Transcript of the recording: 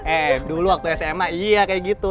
eh dulu waktu sma iya kayak gitu